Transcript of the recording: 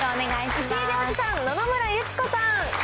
石井亮次さん、野々村友紀子さん。